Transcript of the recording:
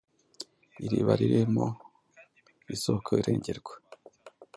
Iriba ririmo, isoko irengerwa.